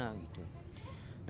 nah kita taruh di sana